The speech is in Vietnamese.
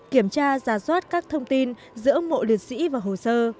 kiểm tra giả soát các thông tin giữa mộ liệt sĩ và hồ sơ